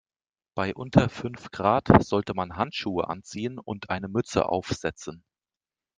Bei unter fünf Grad sollte man Handschuhe anziehen und eine Mütze aufsetzen.